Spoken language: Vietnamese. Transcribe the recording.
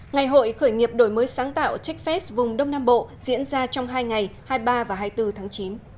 ngày hội khởi nghiệp đổi mới sáng tạo techfest vùng đông nam bộ diễn ra trong hai ngày hai mươi ba và hai mươi bốn tháng chín